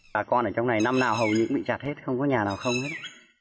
bà con ở trong này năm nào hầu như cũng bị chặt hết không có nhà nào không hết